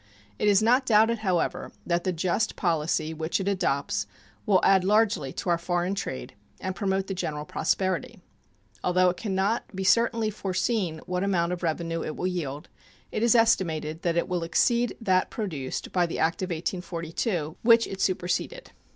It is not doubted, however, that the just policy which it adopts will add largely to our foreign trade and promote the general prosperity. Although it can not be certainly foreseen what amount of revenue it will yield, it is estimated that it will exceed that produced by the act of 1842, which it superseded.